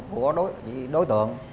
của đối tượng